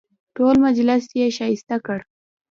ټول مجلس یې ښایسته کړ.